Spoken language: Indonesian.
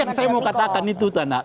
yang saya mau katakan itu tuh anak